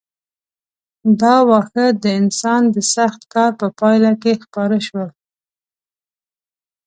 دا واښه د انسان د سخت کار په پایله کې خپاره شول.